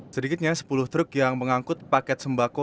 sedikitnya sepuluh truk yang mengangkut paket sembako